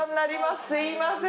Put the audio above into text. すみません。